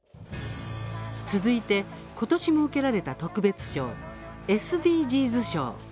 続いて、ことし設けられた特別賞、ＳＤＧｓ賞。